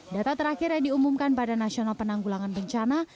data terakhir yang diumumkan pada nasional penanggulangan bencana